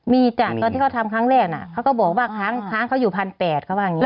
มีจ้างก็ที่เขาทำครั้งแรกน่ะเขาก็บอกว่าค้างเขาอยู่พันแปดเขาบ้าง